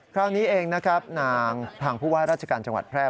คราวนี้เองทางผู้วาราชการจังหวัดแพร่